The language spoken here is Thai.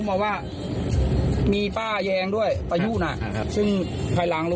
ไม่ได้แวะ